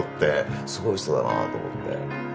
すごい人だなと思って。